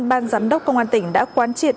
ban giám đốc công an tỉnh đã quán triệt